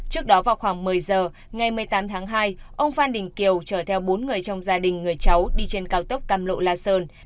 trước đó vào khoảng một mươi giờ ngày một mươi tám tháng hai ông phan đình kiều chở theo bốn người trong gia đình người cháu đi trên cao tốc cam lộ la sơn